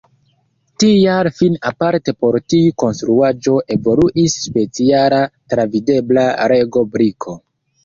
Tial fine aparte por tiu konstruaĵo evoluis speciala travidebla Lego-briko.